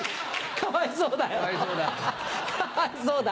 かわいそうだ。